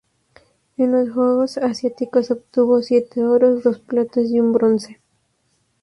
En los Juegos Asiáticos obtuvo siete oros, dos platas y un bronce.